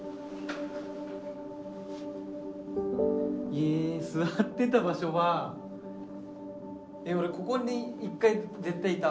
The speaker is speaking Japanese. え座ってた場所は俺ここに一回絶対いた。